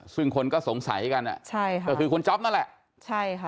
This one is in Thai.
ซึ่งคนก็สงสัยกันคือคุณจ๊อปนั่นแหละ